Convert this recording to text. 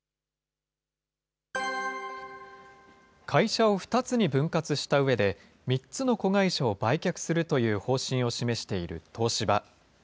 会社を２つに分割したうえで、３つの子会社を売却するという方針を示している東芝。